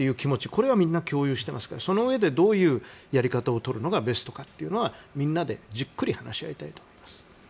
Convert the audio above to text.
これはみんな共有していますからその中で、どういうやり方をとるのがベストなのかはみんなで、じっくり話し合いたいと思います。